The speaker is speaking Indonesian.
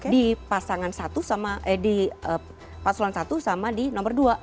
di pasangan satu sama di pasulan satu sama di nomor dua